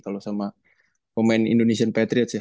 kalau sama pemain indonesian patriots sih